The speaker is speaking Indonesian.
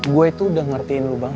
gue tuh udah ngertiin lo banget